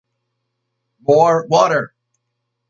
More water!